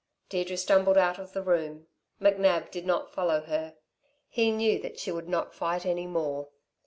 Deirdre stumbled out of the room. McNab did not follow her. He knew that she would not fight any more.